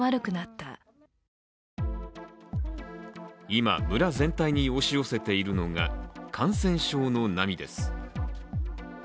今、村全体に押し寄せているのが感染症の波です。